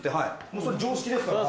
もうそれ常識ですから。